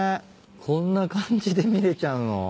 こんな感じで見れちゃうの。